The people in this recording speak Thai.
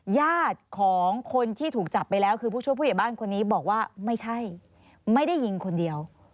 ญาติของคนที่ถูกจับไปแล้วคือผู้ช่วยผู้ใหญ่บ้านคนนี้บอกว่าไม่ใช่ไม่ได้ยิงคนเดียว